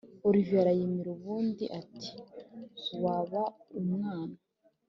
olivier ariyamira ubundi ati”wabaumwana